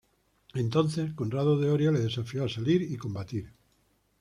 Entonces Conrado de Oria le desafió a salir y combatir.